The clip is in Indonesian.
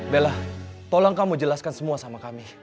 bella tolong kamu jelaskan semua sama kami